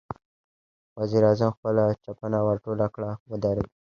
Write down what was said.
وزير اعظم خپله چپنه ورټوله کړه، ودرېد.